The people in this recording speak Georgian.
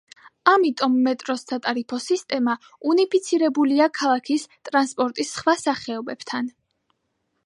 ამიტომ, მეტროს სატარიფო სისტემა უნიფიცირებულია ქალაქის ტრანსპორტის სხვა სახეობებთან.